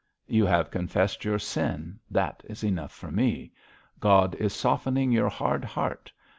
'You have confessed your sin, that is enough for me. God is softening your hard heart.